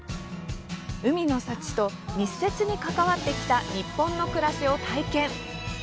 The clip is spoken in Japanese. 海の幸と密接に関わってきた日本の暮らしを体験。